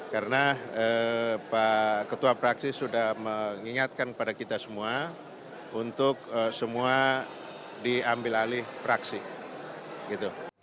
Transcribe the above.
karena pak ketua fraksi sudah mengingatkan kepada kita semua untuk semua diambil alih fraksi